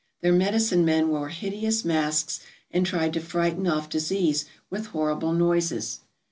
Their medicine men wore hideous masks and tried to frighten off disease with horrible noises.